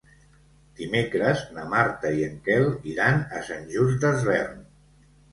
Dimecres na Marta i en Quel iran a Sant Just Desvern.